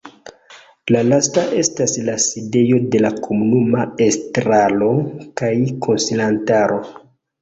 La lasta estas la sidejo de la komunuma estraro kaj konsilantaro.